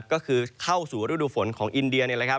ก็คือเข้าสู่ฤดูฝนของอินเดียนี่แหละครับ